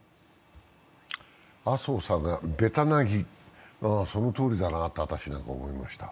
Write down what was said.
麻生さんが「べたなぎ」、そのとおりだなと私なんかは思いました。